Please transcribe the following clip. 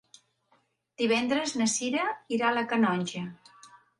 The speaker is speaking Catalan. Divendres na Cira irà a la Canonja.